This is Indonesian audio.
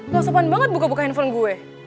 bukan banget buka buka handphone gue